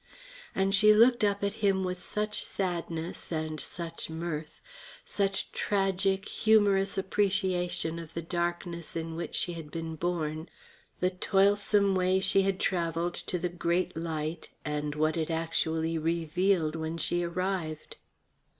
And she looked up at him with such sadness and such mirth such tragic, humorous appreciation of the darkness in which she had been born, the toilsome way she had travelled to the Great Light and what it actually revealed when she arrived.